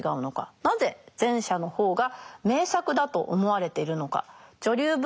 なぜ前者の方が名作だと思われているのか。